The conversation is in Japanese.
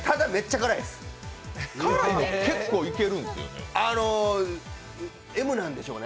辛いの結構イケるんですよね？